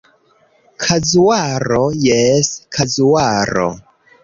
Kazuaro, Jes kazuaro.